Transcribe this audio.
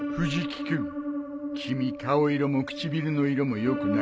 君顔色も唇の色もよくないね。